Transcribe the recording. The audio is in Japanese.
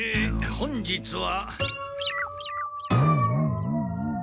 本日は。